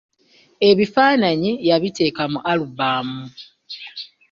Ebifaananyi yabiteeka mu 'alubamu".